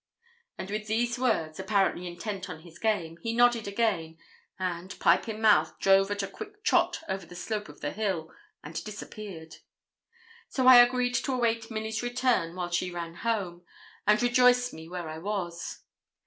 And with those words, apparently intent on his game, he nodded again, and, pipe in mouth, drove at a quick trot over the slope of the hill, and disappeared. So I agreed to await Milly's return while she ran home, and rejoined me where I was.